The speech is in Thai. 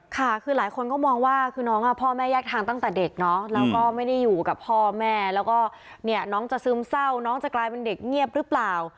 ค่ะคือหลายคนก็มองว่าคือน้องพ่อแม่แยกทางตั้งแต่เด็กเนาะแล้วก็ไม่ได้อยู่กับพ่อแม่แล้วก็เนี่ยน้องจะซึมเศร้าน้องจะกลายเป็นเด็กเงียบหรือเปล่า